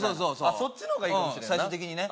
そっちの方がいいかもしれんな最終的にね